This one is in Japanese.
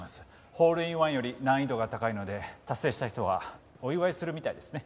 ホールインワンより難易度が高いので達成した人はお祝いするみたいですね。